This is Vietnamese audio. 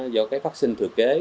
do phát sinh thừa kế